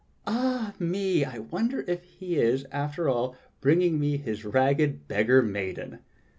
"Ah! me, I wonder if he is, after all, bringing me his ragged beggar maiden!"